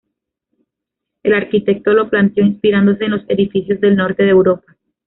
El arquitecto lo planteó inspirándose en los edificios del Norte de Europa.